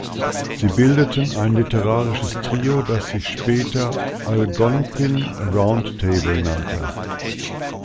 Sie bildeten ein literarisches Trio, das sich später "Algonquin Round Table" nannte.